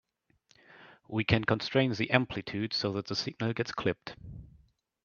We can constrain the amplitude so that the signal gets clipped.